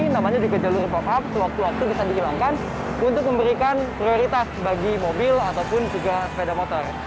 namanya juga jalur pop up sewaktu waktu bisa dihilangkan untuk memberikan prioritas bagi mobil ataupun juga sepeda motor